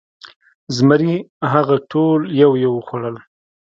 زمري هغه ټول یو یو وخوړل.